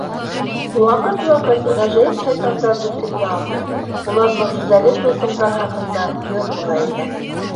Ваҡыт-ваҡыт ғәжәйеп шайтандарҙы телгә алды, улар мөғжизәле тылсымдар хаҡында йыр һуҙа икән.